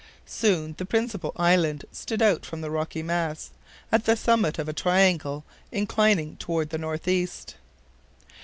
Soon the principal island stood out from the rocky mass, at the summit of a triangle inclining toward the northeast.